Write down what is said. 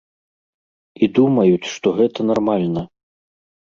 І думаюць, што гэта нармальна.